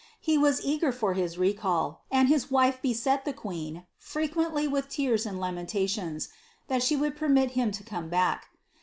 He was eager for his recall, and his wife beset the queen, frequently with teare and lamentations, that she would permit him to come back.